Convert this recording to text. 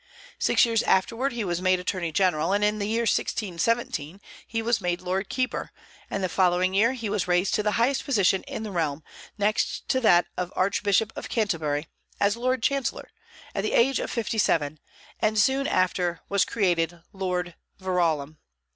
Six years afterward he was made attorney general, and in the year 1617 he was made Lord Keeper, and the following year he was raised to the highest position in the realm, next to that of Archbishop of Canterbury, as Lord Chancellor, at the age of fifty seven, and soon after was created Lord Verulam.